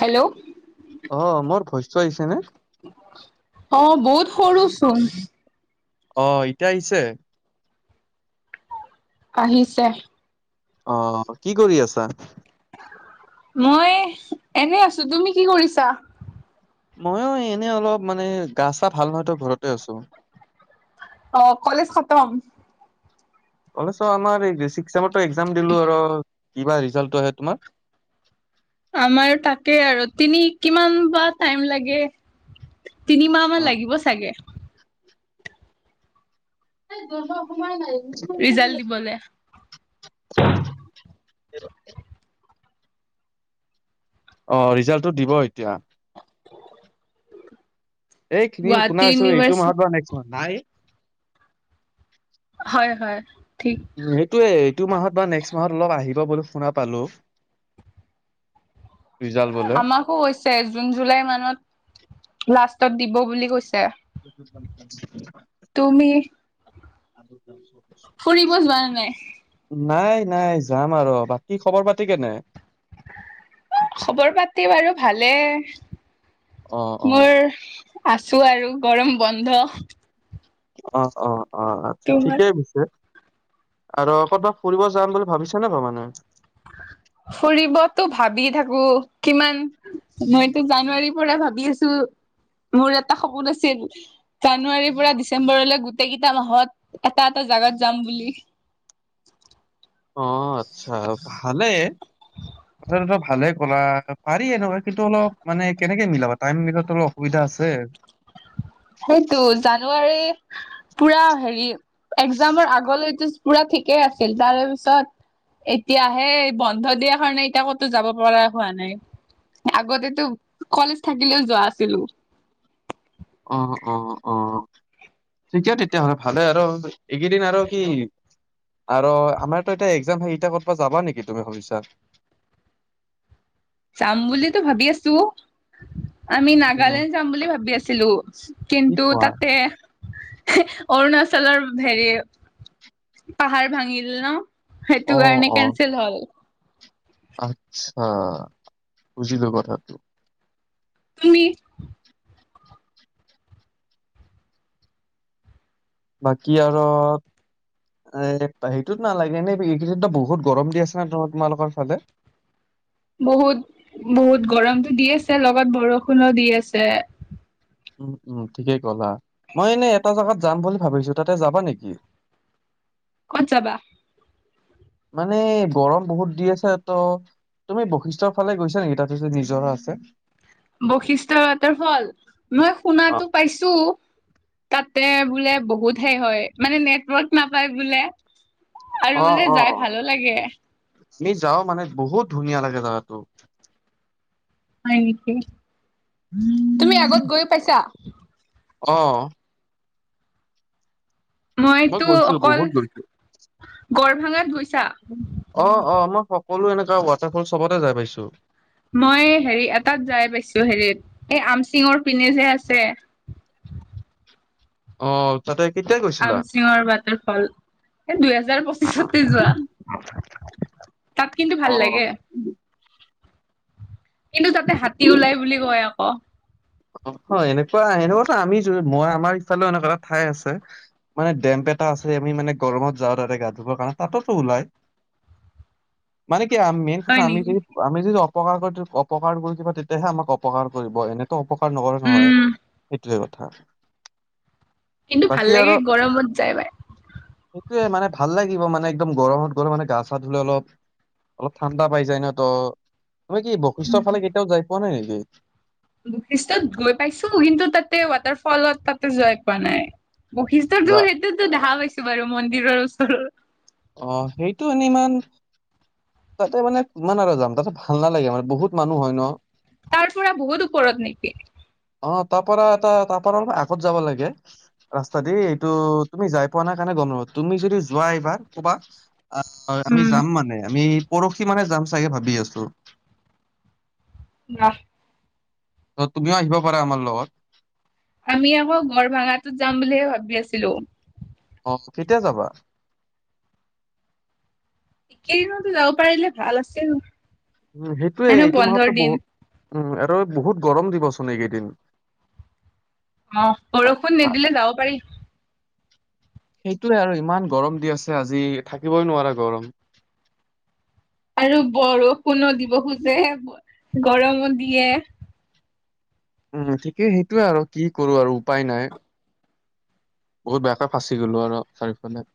Hello অঁ মোৰ ভইছটো আহিছে নে? অঁ বহুত সৰুচোন। অঁ এতিয়া আহিছে। আহিছে। অঁ কি কৰি আছা? মই এনেই আছো, তুমি কি কৰিছা? মইয়ো এনেই অলপ মানে গা‍ঁ চা ভাল হয়তো ঘৰতে আছো। অঁ কলেজ খতম। কলেজ আমাৰ ছিক্স ছেমৰটো এক্জাম দিলো আৰু কিবা ৰিজাল্টটো আহে তোমাৰ? আমাৰ তাকে আৰু তিনি কিমান বা টাইম লাগে? তিনি মাহ মান লাগিব চাগে। নাই দুৰব অকমান [unintelligible] বলে। অঁ ৰিজাল্টটো দিব এতিয়া। এই কিনিম শুনা গুৱাহাটী হৈছো এইটো ইউনিভাৰ্চি মাহত বা নেক্স মাহত। নাই। হয় হয়, ঠিক। উম সেইটোয়ে এইটো মাহত বা নেক্সট মাহত অলপ আহিব বুলি শুনা পালো। ৰিজাল্ট বলে। অও হৈছে, জুন জুলাই মানত লাষ্টত দিব বুলি কৈছে। [unintelligible] তুমি- [unintelligible] ফুৰিব যোৱা নাই। নাই নাই যাম আৰু, বাকী খবৰ পাতি কেনে? খবৰ পাতি বাৰু ভালে অ অ মোৰ। আছোঁ আৰু, গৰম বন্ধ। অ', অ', অ' আ, তোমাৰ ঠিকেই পিছে। আৰু ক'তবা ফুৰিব যাম বুলি ভাবিছে নে ভাবা নাই? ফুৰিবতো ভাবি থাকোঁ, কিমান মইতো জানুৱাৰীৰ পৰা ভাবি আছোঁ, মোৰ এটা সপোন আছিল জানুৱাৰীৰ পৰা ডিচেম্বৰলৈ গোটেইকেইটা মাহত এটা এটা জাগাত যাম বুলি। অ' আচ্ছা, ভালেই। কথাটো ত' ভালে ক'লা পাৰি এনেকুৱা কিন্তু অলপ মানে কেনেকে মিলাবা টাইম মিলাত অলপ অসুবিধা আছে। সেইটো জানুৱাৰী পুৰা হেৰি এক্সামৰ আগলৈতো পুৰা ঠিকেই আছিল তাৰে পিছত এতিয়াহে বন্ধ দিয়া কাৰণে এতিয়া ক'তো যাব পৰা হোৱা নাই। আগতেতো কলেজ থাকিলেও যোৱা আছিলোঁ। অ', অ', অ'। ঠিকে তেতিয়াহ'লে ভালে আৰু এইকেইদিন আৰু কি আৰু আমাৰতো এতিয়া এক্সাম সেটা ক'তবা যাবা নেকি তুমি ভাবিছা? যাম বুলিতো ভাবি আছোঁ। আমি উম, নাগালেণ্ড যাম বুলি ভাবি আছিলোঁ কি কিন্তু কোৱা? তাতে অৰুণাচলৰ হেৰি পাহাৰ ভাঙিল ন'? সেইটো অ', কাৰণে অ', কেনচেল হ'ল। আচ্ছা, বুজিলো কথাটো। তুমি? বাকী আৰু এ, সেইটোত নালাগে এনে এইকেইদিনটো বহুত গৰম দি আছে ন' তোমালোকৰ ফালে? বহুত, বহুত গৰমতো দি আছে লগত বৰষুণো দি আছে। উম ঠিকেই ক'লা। মই এনেই এটা জাগাত যাম বুলি ভাবিছোঁ তাতে যাবা নেকি? ক'ত যাবা? মানে গৰম বহুত দি আছে ত' তুমি বশিষ্ঠৰ ফালে গৈছা নেকি তাতে যে নিজৰা আছে? বশিষ্ট ৱাটাৰফল, মই অ', শুনাতো পাইছোঁ। তাতে বোলে বহুত হে হয়, মানে নেটৱৰ্ক নাপায় বোলে। আৰু অ', বোলে যাই অ', ভালো লাগে। আমি যাঁও মানে বহুত ধুনীয়া লাগে জাগাটো। হয় নেকি? উম। তুমি আগত গৈ পাইছা? অ'। মই মইতো গৈছো অকল, বহুত গৈছো। গৰভাঙাত গৈছা? অ অ মই সকলো এনেকা ৱাটাৰফল চবতে যাই পাইছো। মই হেৰি এটাত যাই পাইছোঁ হেৰিত এই আমচিঙৰ পিনে যে আছে। অ' তাতে কেতিয়া গৈছিলা? আমচিঙৰ ৱাটাৰফল এ দুহেজাৰ পঁচিছতে যোৱা [unintelligible] তাত কিন্তু ভাল অ', লাগে। কিন্তু তাতে হাতী ওলাই বুলি কয় আকৌ। হয় এনেকুৱা, এনেকুৱাতো আমি মই আমাৰ ইফালেও এনেকুৱা এটা ঠাই আছে। মানে ডেম্প এটা আছে, আমি মানে গৰমত যাওঁ তাতে গা ধুবৰ কাৰণ তাতেতো ওলাই। মানে কি হা মেইন কথা হয় আমি যি নেকি আমি যদি অপকাৰ কৰি তো অপকাৰ কৰিব তেতিয়াহে আমাক অপকাৰ কৰিব এনেতো অপ কাৰ নকৰে নহয় উম সিটোৱে কথা। কিন্তু বাকী ভাল লাগে গৰমত যায় বাই। টোৱে মানে ভাল লাগিব মানে একদম গৰমত গৰম মানে গা চা ধুলে অলপ অলপ ঠাণ্ডা পাই যায় ন ত, তুমি কি বশিষ্টৰ ফালে কেতিয়াও যাই পোৱা নাই নেকি? বশিষ্টত গৈ পাইছো কিন্তু তাতে ৱাটাৰ ফলত তাতে যোৱাই পোৱা নাই। বশিষ্টটো যা সেইটোতো দেখা পাইছো বাৰু মন্দিৰৰ ওচৰৰ। অ সেইটো এনিমান তাতে মানে কিমান আৰু যাম তাতে ভাল নালাগে মানে বহুত মানুহ হয় ন। তাৰ পৰা বহুত ওপৰত নিকি? অ তাৰ পৰা এটা তাৰ পৰা অলপ আগত যাব লাগে। ৰাস্তা দি এইটো তুমি যাই পোৱা নাই কাৰণে গম নাপাবা, তুমি যদি যোৱা এইবাৰ কবা আ [unintelligible] আমি উম যাম মানে আমি পৰশি মানে যাম চাগে ভাবি আছো। ন ত তুমিও আহিব পাৰা আমাৰ লগত। আমি আকৌ গড় ভাঙাটোত যাম বুলিহে ভাবি আছিলো। অ কেতিয়া যাবা? কেইদিনতো যাব পাৰিলে ভাল আছিল। উম সেইটোৱে এনেও এইটো বন্ধৰ মাহতটো দিন বহু, উম আৰু বহুত গৰম দিবচোন এইকেইদিন। অ আ বৰষুণ আ নিদিলে যাব পাৰি। সেইটোৱে আৰু ইমান গৰম দি আছে আজি থাকিবই নোৱাৰা গৰম। আৰু বৰষুণো দিব খোজে, গৰমো দিয়ে। উম ঠিকেই সেইটোয়ে আৰু কি কৰো আৰু উপায় নাই। বহুত বেয়াকে ফাঁচি গ'লো আৰু চাৰিওফালে।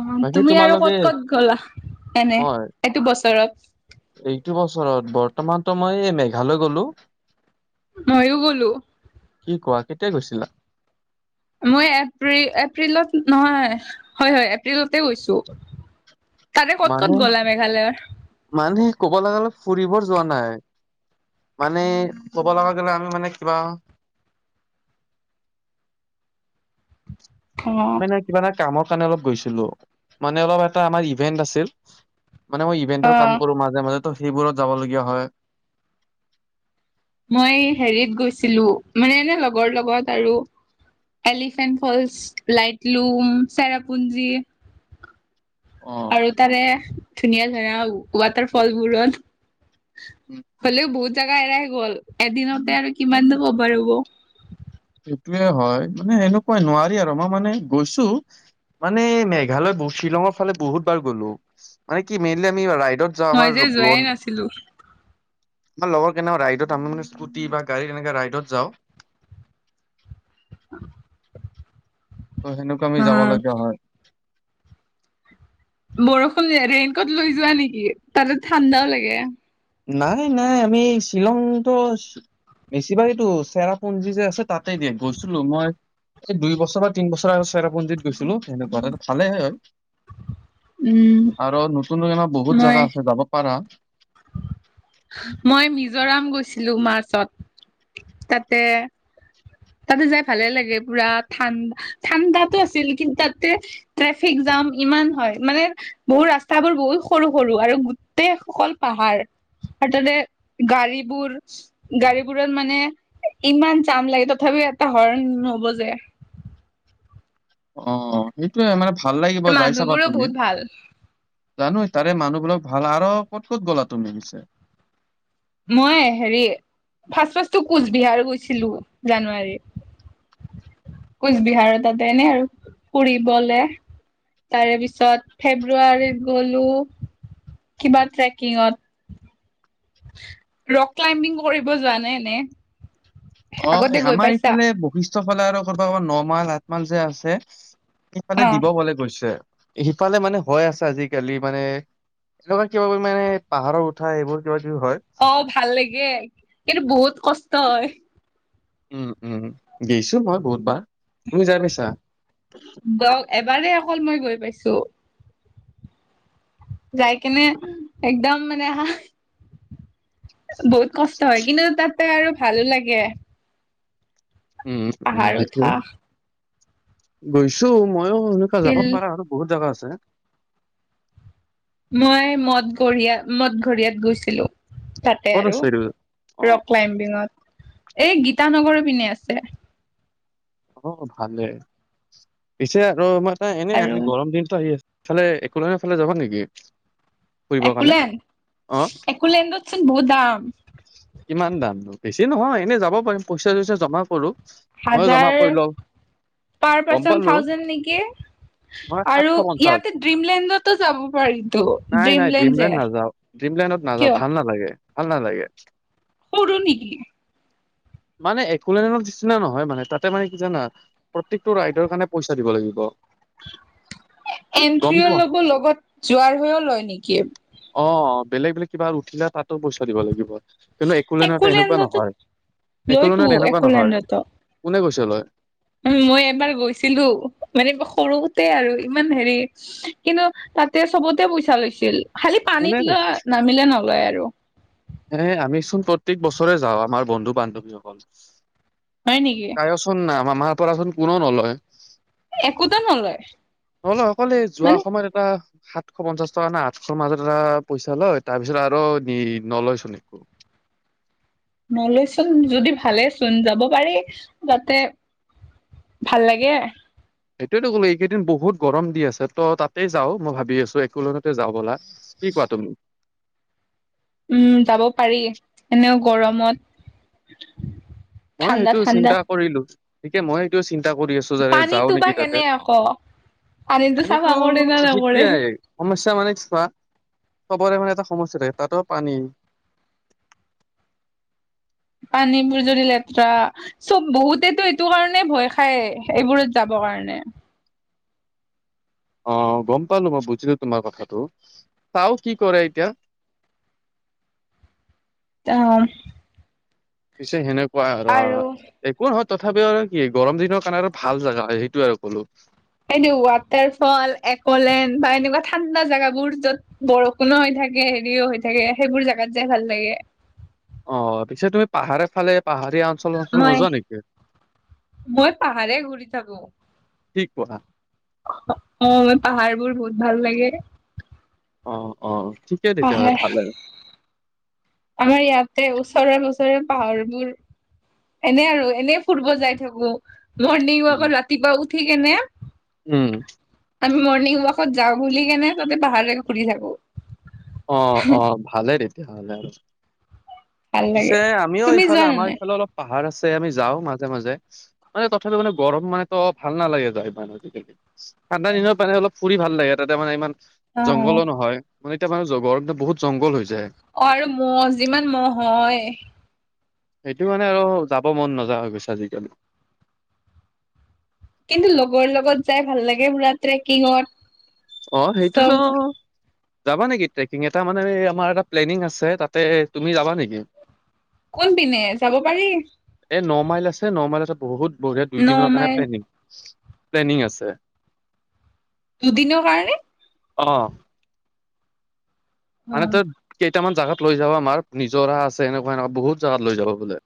অ বাকী তুমি আৰু তোমালোকে ক'ত ক'ত গ'লা এনে মই এইটো বছৰত? এইটো বছৰত, বৰ্তমানতো মই এই মেঘালয় গলো। মইও গ'লো। কি কোৱা কেতিয়া গৈছিলা? মই এপ্ৰি এপ্ৰিলত নহয়, হয় হয় এপ্ৰিলতে গৈছো। তাৰে ক'ত ক'ত গ'লা মেঘালয়ৰ? মানুহে ক'ব লগা অলপ ফুৰিব যোৱা নাই। মানে ক'ব লগা গ'লে আমি মানে কিবা অ মানে কিবা এটা কামৰ কাৰণে অলপ গৈছিলো মানে অলপ এটা আমাৰ ইভেন্ট আছিল। মানে মই অ ইভেন্টৰ কাম কৰো মাজে মাজে তো সেইবোৰত যাবলগীয়া হয়। মই হেৰিত গৈছিলো মানে এনে লগৰ লগত আৰু এলিফেণ্ট ফলচ, লাইটলুম, চেৰাপুঞ্জী অ আৰু তাৰে ধুনীয়া ধুনীয়া ৱাটাৰফলবোৰত। হ'লেও বহুত জাগা এৰাই গ'ল, এদিনতে আৰু কিমান যাব বাৰু? [unintelligible] সেইটোয়ে হয় মানে সেনেকুৱাই নোৱাৰি আৰু মই মানে গৈছো মানে মেঘালয় [unintelligible] শ্বিলঙৰ ফালে বহুত বাৰ গ'লো মানে কি মেইনলি আমি ৰাইডত যাওঁ মই আমাৰ যে লো যোৱাই লোন নাছিলো আমাৰ লগৰ কেনেকুৱা ৰাইডত আমি মানে স্কুটি বা গাড়ী তেনেকে ৰাইডত যাওঁ। ত' সেনেকুৱা আমি যাবলগীয়া হয়। বৰষুণ ৰেইনক'ট লৈ যোৱা নেকি তাতে ঠাণ্ডাও লাগে। নাই নাই আমি শ্বিলংটো বেছিভাগেটো চেৰাপুঞ্জী যে আছে তাতে দে গৈছিলো মই এই দুই বছৰ বা তিন বছৰ আগত চেৰাপুঞ্জীত গৈছিলো সেনেকুৱা ভালে হয়। উম আৰু নতুন [unintelligible] বহুত মই জাগা আছে যাব পাৰা। মই মিজোৰাম গৈছিলো মাৰ্চত। তাতে তাতে যাই ভালে লাগে পুৰা ঠাণ্ড ঠাণ্ডাতো আছিল, কিন্তু তাতে ট্ৰেফিক জাম ইমান হয় মানে বহু ৰাস্তাবোৰ বহুত সৰু সৰু আৰু গোটেইসকল পাহাৰ। আৰু তাতে গাড়ীবোৰ গাড়ীবোৰত মানে ইমান জাম লাগে ত থাপিও এটা হৰ্ণ নবজে। অ সেইটোয়ে মানে ভাল লাগিব যাই চাবা মানুহবোৰো তুমি। বহুত ভাল জানো তাৰে মানুহবিলাক ভাল আৰু ক'ত ক'ত গ'লা তুমি পিছে? মই হেৰি ফাছফছটো কোচবিহাৰ গৈছিলো জানুৱাৰী। কোচবিহাৰ তাতে এনে আৰু ফুৰিবলে। তাৰে পিছত ফেব্ৰুৱাৰীত গ'লো, কিবা ট্ৰেকিঙত। ৰক ক্লাবিং কৰিব জানে নে? অ আমাৰ এইফালে বহিছ ছ ফালে আৰ কৰবা ক'ত ন মাল আঠ মাল যে আছে, সেইফালে দিব বলে কৈছে। সিফালে মানে হৈ আছে আজিকালি মানে এনেকুৱা কিবা কৰি মানে, পাহাৰত উঠা এইবোৰ কিবা কিবি হয়। অ ভাল লাগে, কিন্তু বহুত কষ্ট হয়। উম উম গৈছো মই বহুত বা, তুমি যাই পাইছা? ডক এবাৰেই অকল মই গৈ পাইছো। যাই কিনে একদম মানে হা বহুত কষ্ট হয়, কিন্তু তাতে আৰু ভালো লাগে। উম উম পাহাৰ সেইটোয়ে উঠা গৈছো মইও সে যাব শিল পাৰা আৰু বহুত জাগা আছে। মই মদ ঘৰীয়া মদ ঘৰীয়াত গৈছিলো, তাতে ক'ত আৰু। আছ এইটো অ ৰক ক্লাইম্বিঙত, এই গীতানগৰ পিনে আছে। অ ভালে, পিছে আৰু মানে এনে আৰু আমি গৰম দিনতো আহি আছ ইফালে একুলেন ফালে যাবা নেকি? ফুৰিবৰ কাৰণে একুলেণ্ড অ একুলেণ্ডতচোন বহুত দাম। ইমান দাম বেছি নহয়, এনেই যাব পাৰিম পইচা চইচা জমা কৰো। ময়ো জমা হাজাৰ কৰি লওঁ। পাৰ গম পাৰ্চন পালো থাউজেণ্ড নেকি? নহয় আৰু সাতশ পঞ্চাশ ইয়াতে ড্ৰিমলেণ্ডতো যাব পাৰিতো নাই নাই ড্ৰিমলেণ্ড যে। নাযাও ড্ৰিমলেণ্ডত কিয় নাযাওঁ ভাল নালাগে ভাল নালাগে। সৰু নেকি? মানে একোলেণ্ডৰ নিচিনা নহয় মানে তাত তে মানে কি জানা, প্ৰত্যেকটো ৰাইডৰ কাৰণে পইচা দিব লাগিব। গম এন্ট্ৰি পোৱা লগ লগত, যোৱাৰ হৈও লয় নেকি? অ বেলেগ বেলেগ কিবা উঠিলে তাতো পইচা দিব লাগিব। কিন্তু একুলেণ্ডত এনেকুৱা একোলেণ্ডতো নহয়, একুলেণ্ড লয়তো এনেকুৱা নহয়, কোনে কৈছে লয়? উম, মই এবাৰ গৈছিলো মানে সৰুতে আৰু ইমান হেৰি- কিন্তু তাতে চবতে পইচা লৈছিল, খালি কোনে পানীত কৈছে লোৱা নামিলে নলয় আৰু। এ' আমি চোন প্ৰত্যেক বছৰে যাওঁ, আমাৰ বন্ধু-বান্ধৱীসকল- হয় নেকি? আমাৰ পৰাচোন কোনো নলয়। একোতো নলয় নলয়, অকল এ' যোৱা মানে সময়ত এটা হা- পঞ্চাশ টকা এটা আঠশ মাজত এটা পইচা লয়, তাৰপিছত আৰু দিয়ে নলয় চোন। নলয় চোন যদি ভালে চোন, যাব পাৰি তাতে- ভাল লাগে। এইটোৱেতো ক'লো এইকেইদিন বহুত গৰম দি আছে, ত' তাতে যাওঁ মই ভাবি আছো একোলেণ্ডতে যাওঁ ব'লা। কি কোৱা তুমি? উম, যাব পাৰি। এনেওঁ গৰমত- মইয়ো ঠাণ্ডা সেইটো ঠাণ্ডা চিন্তা কৰিলো, এতিয়া মই সেইটো চিন্তা কৰি আছোঁ। য' যাও পানীতো বা নেকি তাতে, কেনে আকৌ পানীতো চাফা পানীটো কৰে না নকৰে সেইটোৱে। সমস্যা মানে কি চোৱা, চবৰে মানে এটা সমস্যা থাকে তাতো পানী। পানীবোৰ যদি লেতেৰা! চব, বহুতেটো এইটো কাৰণে ভয় খায়, এইবোৰত যাবৰ কাৰণে। অঁ, গম পালো, মই বুজিলো তোমাৰ কথাটো। চাওঁ কি কৰে এতিয়া! অঁ। পিছে সেনেকুৱা আৰু। একো নহয় তথাপিও আৰু কি? গৰম দিনৰ কাৰণে আৰু ভাল জেগা হয় সেইটোৱে আৰু ক'লো। সেইটো ওৱাটাৰ ফল, একলেণ্ড বা এনেকুৱা ঠাণ্ডা জেগাবোৰ য'ত- বৰষুণো হৈ থাকে, হেৰিও হৈ থাকে সেইবোৰ জাগাত যাই ভাল লাগে। অঁ, পিছে তুমি পাহাৰ ফালে, পাহাৰীয়া অঞ্চল- চঞ্চল মই নোযোৱা নেকি? মই পাহাৰে ঘূৰি থাকো। কি কোৱা অঁ, মানে পাহাৰ বোৰ বহুত ভাল লাগে। অঁ, অঁ ঠিকে তেতিয়াহ'লে পাহাৰ ভাল আৰু। আমাৰ ইয়াতে ওচৰেৰে -পাজৰে পাহাৰবোৰ- এনে আৰু এনেই ফুৰিব যাই থাকো মৰ্ণিং উম ওৱাকত ৰাতিপুৱা উঠি কেনে। উম। আমি মৰ্ণিং ওৱাকত যাওঁ বুলি কেনে তাতে পাহাৰেৰে ঘুৰি থাকো অঁ, অঁ ভালে তেতিয়াহ'লে আৰু। ভাল পিছে লাগে। আমিও তুমি ইফালে, যোৱা নে আমাৰ নাই? এইফালে অলপ পাহাৰ আছে, আমি যাওঁ মাজে মাজে। মানে তথাপি মানে গৰম মানে তো ভাল নালাগে যায় মানে আজিকালি। ঠাণ্ডা দিনত মানে অলপ ফুৰি ভাল, তাতে মানে ইমান- অ', অ', জংঘলো নহয় মানে এতিয়া মানুহ জগৰ বহুত জংঘল হৈ যায়। অঁ, আৰু ম যিমান ম'হ হয়। সেইটো মানে আৰু যাব মন নাযা হৈ গৈছে আজিকালি। কিন্তু লগৰ লগত যাই ভাল লাগে পুৰা ট্ৰেকিঙত। অঁ, চব সেইটোতো। যাবা নেকি ট্ৰেকিং এটা মানে আমাৰ এটা প্লেনিং আছে, তাতে তুমি যাবা নেকি? কোন পিনে, যাব পাৰি? এই ন মাইল আছে, ন মাইলটে বহুত বঢ়িয়া দুই ন দিনৰ কাৰণে মাইল প্লেনিং -প্লেনিং আছে। দুদিনৰ কাৰণে? অঁ। মানে অ'। তোৰ কেইটামান জাগাত লৈ যাব আমাৰ নিজৰা আছে এনেকুৱা এনেকুৱা বহুত জাগাত লৈ যাব বোলে।